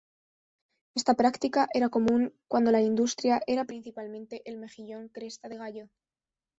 Esta práctica era común cuando la industria era principalmente el Mejillón Cresta de Gallo.